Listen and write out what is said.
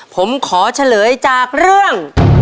ผมขอเฉลยจากเรื่อง